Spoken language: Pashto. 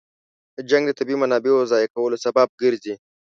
جنګ د طبیعي منابعو ضایع کولو سبب ګرځي.